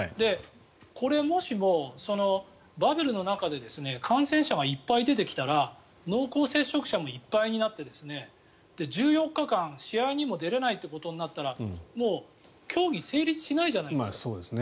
これ、もしもバブルの中で感染者がいっぱい出てきたら濃厚接触者もいっぱいになって１４日間試合にも出れないということになったらもう競技が成立しないじゃないですか。